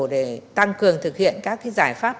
để tăng cường thực hiện các cái giải pháp